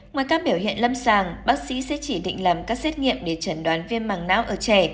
ngoài các biểu hiện lâm sàng bác sĩ sẽ chỉ định làm các xét nghiệm để chẩn đoán viêm mạng não ở trẻ